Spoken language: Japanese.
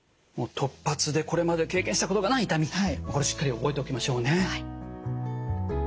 突発でこれまで経験したことがない痛みこれしっかり覚えておきましょうね。